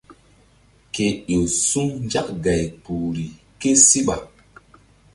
Ke ƴo su̧ nzak gay kpuhri késíɓa.